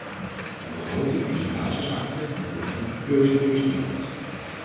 De begroting is een basisakte die politieke keuzes weerspiegelt.